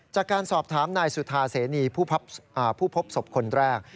จากการสอบถามนายสุธาเสนีผู้พบศพคนแรก